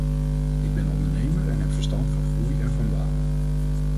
Ik ben ondernemer en heb verstand van groei en van banen.